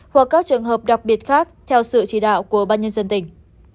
hoặc các trường hợp đặc biệt khác theo sự chỉ đạo của ban nhân dân tỉnh